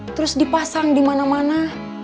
terus dipasang di mana mana